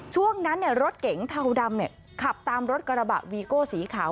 ช่วงนั้นรถเก๋งเทาดำขับตามรถกระบะวีโก้สีขาว